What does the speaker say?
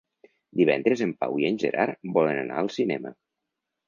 Divendres en Pau i en Gerard volen anar al cinema.